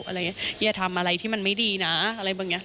อะไรอย่างเงี้ยอย่าทำอะไรที่มันไม่ดีนะอะไรแบบเงี้ย